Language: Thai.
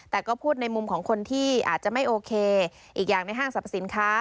แต่ก็พูดในมุมของคนที่อาจจะไม่โอเคอีกอย่างในห้างสรรพสินค้า